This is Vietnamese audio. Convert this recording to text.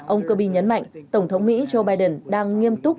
ông kirby nhấn mạnh tổng thống mỹ joe biden đang nghiêm túc